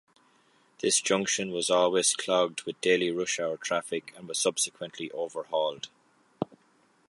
This junction was always clogged with daily rush hour traffic and was subsequently overhauled.